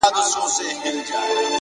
چي هغه ستا سيورى له مځكي ورك سو _